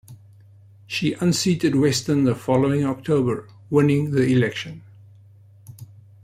She unseated Weston the following October, winning the election.